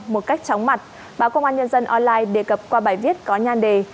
một cách chóng mặt báo công an nhân dân online đề cập qua bài viết có nhan đề